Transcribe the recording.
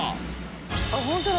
あっホントだ。